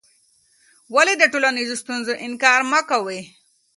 ولې د ټولنیزو ستونزو انکار مه کوې؟